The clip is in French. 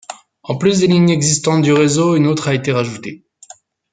En plus des lignes existantes du réseau, une autre a été rajoutée.